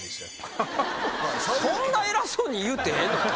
そんな偉そうに言うてええの？